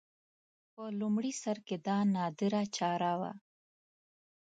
په لومړي سر کې دا نادره چاره وه